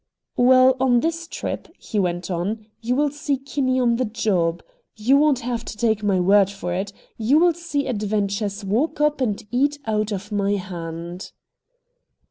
"Well, on this trip," he went on, "you will see Kinney on the job. You won't have to take my word for it. You will see adventures walk up and eat out of my hand."